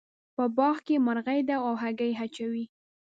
په باغ کې مرغۍ دي او هګۍ اچوې